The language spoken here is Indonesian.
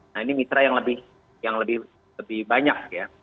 nah ini mitra yang lebih banyak ya